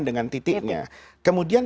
dengan titiknya kemudian